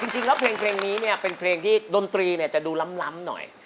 จริงแล้วเพลงนี้เนี่ยเป็นเพลงที่ดนตรีจะดูล้ำหน่อย